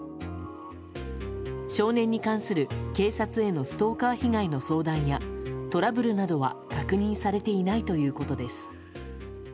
少年に関する警察へのストーカー被害の相談やトラブルなどは確認されていないということです。